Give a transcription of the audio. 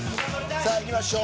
さあ、いきましょう。